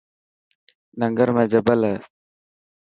ننگر ۾ جبل هي.